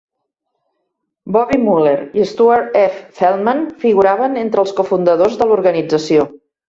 Bobby Muller i Stuart F. Feldman figuraven entre els cofundadors de l'organització.